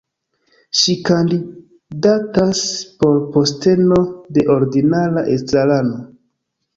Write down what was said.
Ŝi kandidatas por posteno de ordinara estrarano.